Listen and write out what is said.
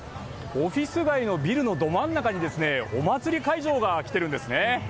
オフィス街のビルのど真ん中にお祭り会場が来ているんですね。